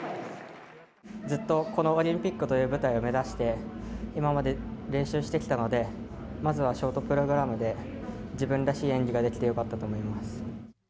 ずっとこのオリンピックという舞台を目指して、今まで練習してきたので、まずはショートプログラムで自分らしい演技ができて、よかったと思います。